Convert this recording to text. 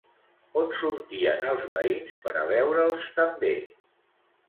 On sortien els veïns per a veure'ls també?